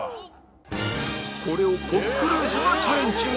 これをコス・クルーズがチャレンジ